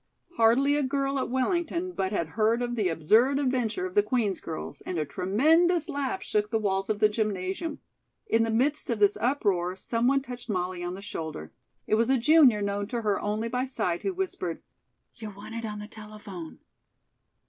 Hardly a girl at Wellington but had heard of the absurd adventure of the Queen's girls, and a tremendous laugh shook the walls of the gymnasium. In the midst of this uproar, someone touched Molly on the shoulder. It was a junior known to her only by sight, who whispered: "You're wanted on the telephone."